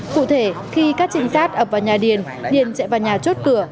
cụ thể khi các trinh sát ập vào nhà điền điền chạy vào nhà chốt cửa